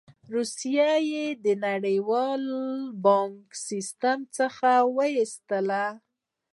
روسیه یې د نړیوال بانکي سیستم څخه وویستله.